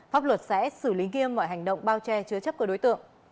pháp luật sẽ xử lý nghiêm mọi hành động bao che chứa chấp của đối tượng